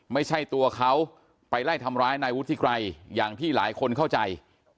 ไม่ใช่ตัวเขาไปไล่ทำร้ายนายวุฒิไกรอย่างที่หลายคนเข้าใจ